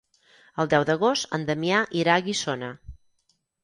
El deu d'agost en Damià irà a Guissona.